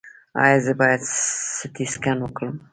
ایا زه باید سټي سکن وکړم؟